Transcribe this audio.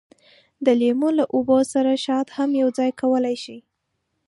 د لیمو له اوبو سره شات هم یوځای کولای شئ.